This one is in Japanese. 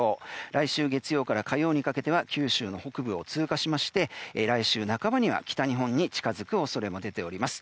来週月曜から火曜日にかけては九州の北部を通過しまして来週半ばには北日本に近づく恐れも出ています。